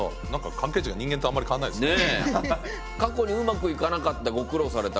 関係値が人間とあまり変わらないですね。